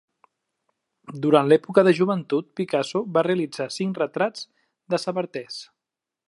Durant l'època de joventut, Picasso va realitzar cinc retrats de Sabartés.